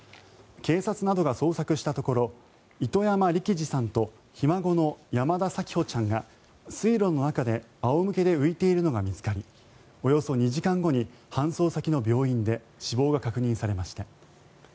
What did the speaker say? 警察などが捜索したところ糸山力二さんとひ孫の山田咲帆ちゃんが水路の中で仰向けで浮いているのが見つかりおよそ２時間後に搬送先の病院で死亡が確認されました。